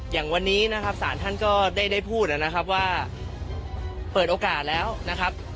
อย่างวันนี้นะครับศาลท่านก็ได้พูดนะครับว่าเปิดโอกาสแล้วนะครับ